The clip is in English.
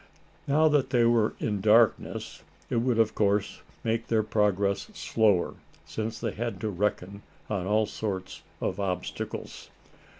Now that they were in darkness, it would of course make their progress slower, since they had to reckon on all sorts of obstacles.